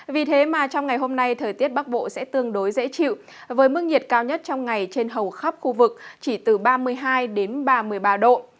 vì thế mà trong ngày hôm nay thời tiết bắc bộ sẽ tương đối dễ chịu với mức nhiệt cao nhất trong ngày trên hầu khắp khu vực chỉ từ ba mươi hai đến ba mươi ba độ